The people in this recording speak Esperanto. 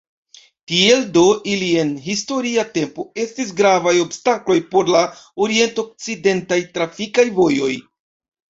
Tiel do ili en historia tempo estis gravaj obstakloj por la orient-okcidentaj trafikaj vojoj.